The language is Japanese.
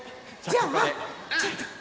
じゃあちょっと。